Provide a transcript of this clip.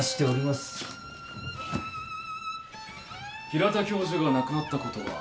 平田教授が亡くなったことは？